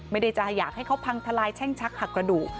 ไม่ได้จะอยากให้เขาพังทลายแช่งชักหักกระดูก